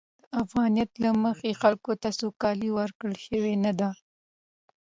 د افغانیت له مخې، خلکو ته سوکالي ورکول شوې نه ده.